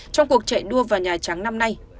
trong cuộc chạy đua vào nhà trắng năm nay